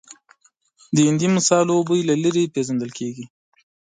د هندي مسالو بوی له لرې پېژندل کېږي.